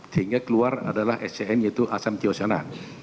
sehingga keluar adalah scn yaitu asam tiosana